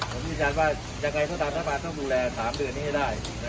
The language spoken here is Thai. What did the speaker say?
ผมมีแจ้งว่ายังไงก็ตามทางฝ่าต้องดูแลสามเดือนนี้ให้ได้